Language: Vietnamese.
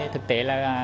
thực tế là